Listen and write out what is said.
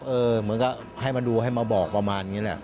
เหมือนก็ให้มาดูให้มาบอกประมาณนี้แหละ